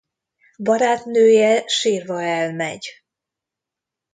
Barátnője sírva elmegy.